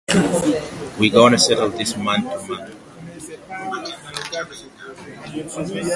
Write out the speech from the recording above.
We're gonna settle this man to man!